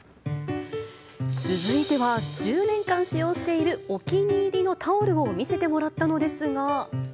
続いては、１０年間使用している、お気に入りのタオルを見せてもらったのですが。